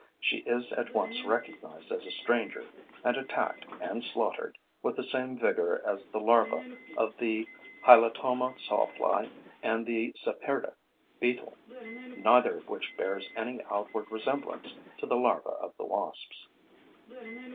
She is at once recognized as a stranger and attacked and slaughtered with the same vigor as the larvae of the Hylotoma sawfly and the Saperda beetle, neither of which bears any outward resemblance to the larva of the wasps.